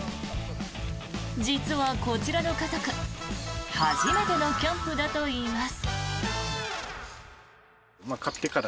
実はこちらの家族初めてのキャンプだといいます。